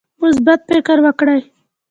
مثبت فکر وکړئ